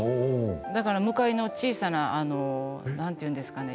だから向かいの小さななんて言うんですかね